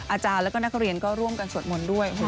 อาจารย์แล้วก็นักเรียนก็ร่วมกันสวดมนต์ด้วย